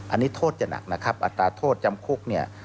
อันนี้โทษจะหนักนะครับอัตราโทษจำคุกเนี่ย